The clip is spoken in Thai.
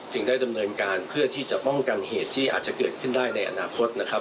ได้ดำเนินการเพื่อที่จะป้องกันเหตุที่อาจจะเกิดขึ้นได้ในอนาคตนะครับ